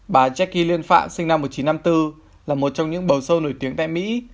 bà jackie liên phạm sinh năm một nghìn chín trăm năm mươi bốn là một trong những bầu sâu nổi tiếng tại mỹ